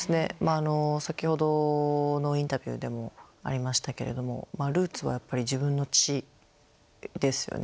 先ほどのインタビューでもありましたけれどもルーツはやっぱり自分の血ですよね。